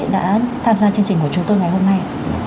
đã tham gia chương trình của chúng tôi ngày hôm nay